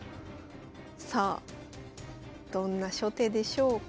さあどんな初手でしょうか。